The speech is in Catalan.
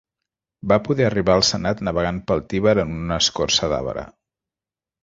Va poder arribar al senat navegant pel Tíber en una escorça d'arbre.